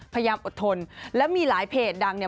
พยายามอดทนและมีหลายเพจดังเนี่ย